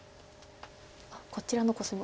こちらのコスミ。